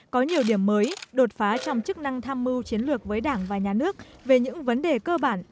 có nhiều điểm mới đột phá trong chức năng tham mưu chiến lược với đảng và nhà nước về những vấn đề cơ bản